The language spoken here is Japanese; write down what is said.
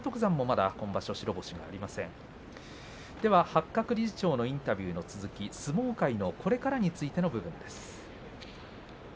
八角理事長のインタビューの続き相撲界のこれからについてです。